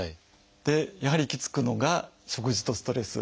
でやはり行き着くのが「食事」と「ストレス」。